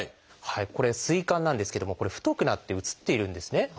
これ膵管なんですけどもこれ太くなって映っているんですね。